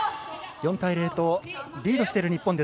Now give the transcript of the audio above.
４対０とリードしている日本。